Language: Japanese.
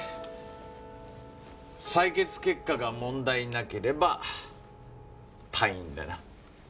採血結果が問題なければ退院だな。